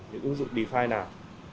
những ứng dụng defi nào